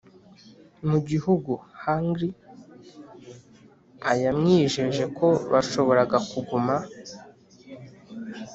mu gihugu Hungr a yamwijeje ko bashoboraga kuguma